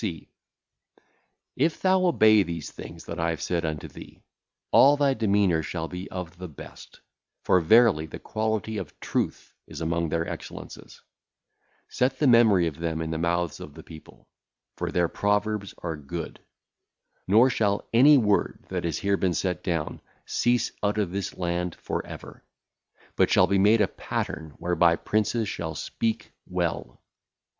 C. If thou obey these things that I have said unto thee, all thy demeanour shall be of the best; for, verily, the quality of truth is among their excellences. Set the memory of them in the mouths of the people; for their proverbs are good. Nor shall any word that hath here been set down cease out of this land for ever, but shall be made a pattern whereby princes shall speak well.